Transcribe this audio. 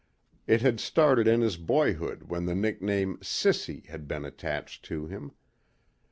It had started in his boyhood when the nickname "Sissy" had been attached to him.